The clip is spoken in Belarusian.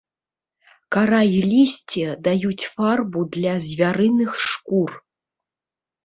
Кара і лісце даюць фарбу для звярыных шкур.